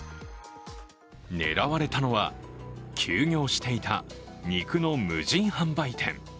狙われたのは、休業していた肉の無人販売店。